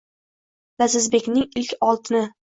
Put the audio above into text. Lazizbekning ilk oltini